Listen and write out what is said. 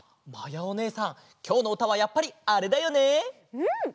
うん！